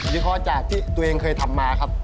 นี่ขอจากที่ตัวเองเคยทำมาครับ